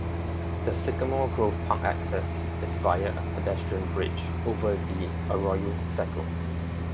The Sycamore Grove Park access is via a pedestrian bridge over the Arroyo Seco.